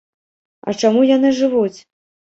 А чаму яны жывуць?